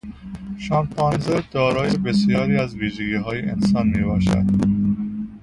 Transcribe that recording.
شامپانزه دارای بسیاری از ویژگیهای انسان میباشد.